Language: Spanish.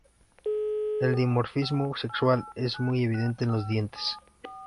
El dimorfismo sexual es muy evidente en los dientes.